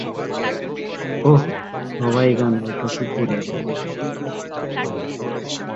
ওহ, সবাই জানে ওটা কুকুরের।